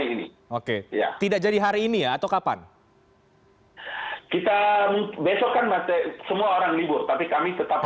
ini oke ya tidak jadi hari ini ya atau kapan kita besok kan masih semua orang libur tapi kami tetap